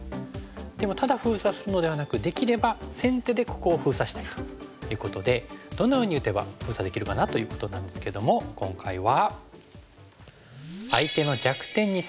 でもただ封鎖するのではなくできれば先手でここを封鎖したいということでどのように打てば封鎖できるかなということなんですけども今回は。